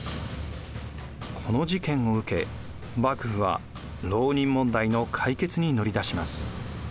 この事件を受け幕府は牢人問題の解決に乗り出します。